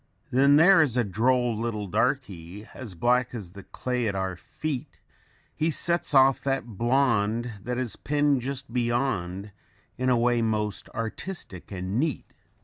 _ "_'Then there is a droll little darky, As black as the clay at our feet; He sets off that blond that is pinned just beyond In a way most artistic and neat.